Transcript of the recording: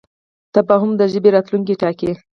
تفاهم د ژبې راتلونکی ټاکي.